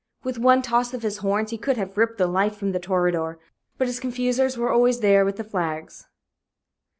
With one toss of his horns he could have ripped the life from the toreador, but his confusers were always there with the flags.